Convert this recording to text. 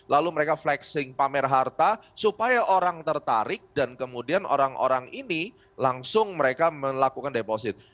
lalu mereka flexing pamer harta supaya orang tertarik dan kemudian orang orang ini langsung mereka melakukan deposit